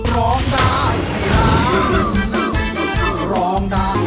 ร้องได้ร้องร้องได้